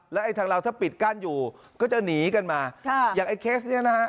แล้วไอ้ทางเราถ้าปิดกั้นอยู่ก็จะหนีกันมาค่ะอย่างไอ้เคสเนี้ยนะฮะ